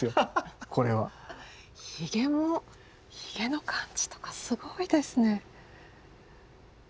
ひげもひげの感じとかすごいですね。